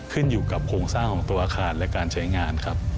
ขึ้นอยู่กับโครงสร้างของตัวอาคารและการใช้งานครับ